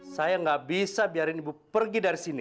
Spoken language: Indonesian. saya nggak bisa biarin ibu pergi dari sini